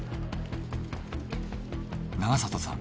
永里さん